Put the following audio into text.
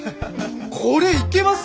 これいけますよ。